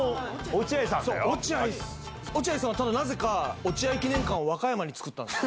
落合さんは、なぜか落合記念館を和歌山に作ったんです。